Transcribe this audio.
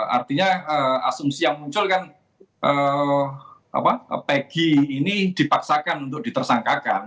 artinya asumsi yang muncul kan pegi ini dipaksakan untuk ditersangkakan